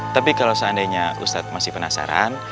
tapi kalau seandainya ustadz masih penasaran